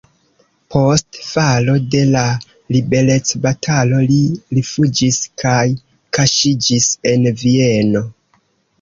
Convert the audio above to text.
Post falo de la liberecbatalo li rifuĝis kaj kaŝiĝis en Vieno.